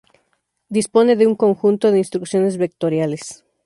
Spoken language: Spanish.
Dispone de un conjunto de instrucciones vectoriales.